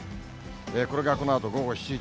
これがこのあと午後７時。